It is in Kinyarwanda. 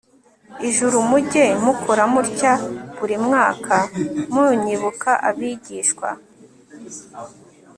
ijuru mujye mukora mutya buri mwaka munyibuka abigishwa